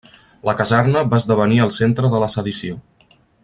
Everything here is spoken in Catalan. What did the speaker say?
La caserna va esdevenir el centre de la sedició.